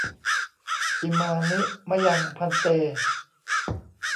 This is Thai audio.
อิมานิ มะยัง ภันเต